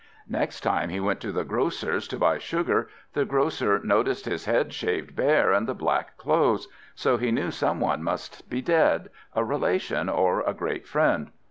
Next time he went to the Grocer's to buy sugar, the Grocer noticed his head shaved bare, and the black clothes, so he knew some one must be dead, a relation or a great friend.